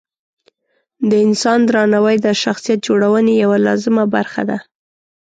د انسان درناوی د شخصیت جوړونې یوه لازمه برخه ده.